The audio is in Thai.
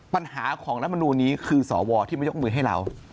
ปัญหาของนักบรรยาณมณุนี้คือสวที่ไม่ยกมือให้เรา